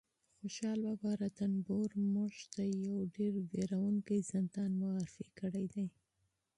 خوشحال بابا رنتنبور موږ ته یو ډېر وېروونکی زندان معرفي کړی دی